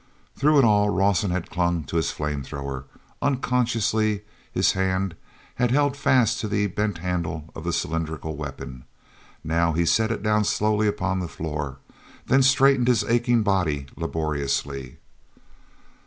Through it all, Rawson had clung to his flame thrower; unconsciously his hand had held fast to the bent handle of the cylindrical weapon. Now he set it down slowly upon the floor, then straightened his aching body laboriously.